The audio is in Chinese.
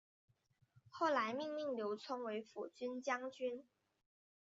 后来任命刘聪为抚军将军。